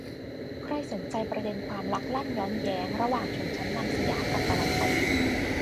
ใครสนใจประเด็นความลักลั่นย้อนแย้งระหว่างชนชั้นนำสยามกับตะวันตก